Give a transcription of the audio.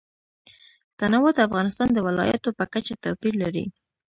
تنوع د افغانستان د ولایاتو په کچه توپیر لري.